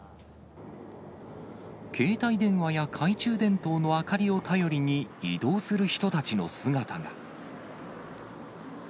携帯電話や懐中電灯の明かりを頼りに移動する人たちの姿が。